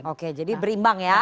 oke jadi berimbang ya